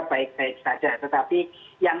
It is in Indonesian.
baik baik saja tetapi yang